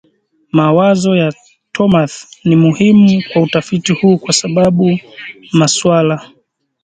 Mawazo ya Thomas ni muhimu kwa utafiti huu kwa sababu maswala